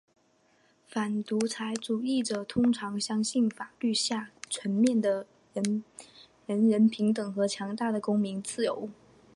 反独裁主义者通常相信法律下全面的人人平等的和强大的公民自由。